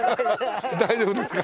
大丈夫ですか？